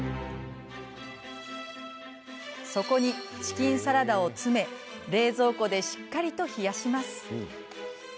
そこにチキンサラダを詰め冷蔵庫でしっかりと冷やします。